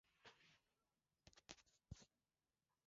Kiwango cha kusababisha vifo kwa ugonjwa wa homa ya mapafu